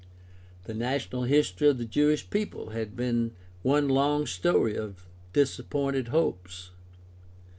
The national history of the Jewish people had been one long story of disappointed hopes.